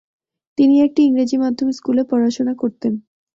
তিনি একটি ইংরেজি মাধ্যম স্কুলে পড়াশোনা করতেন।